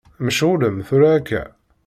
Mecɣulem tura akka?